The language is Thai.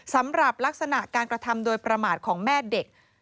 สำหรับลักษณะการกระทำโดยประมาทของแม่เด็ก